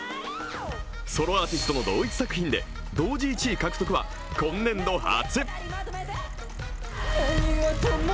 ソロアーティストの同一作品で同時１位獲得は今年度初。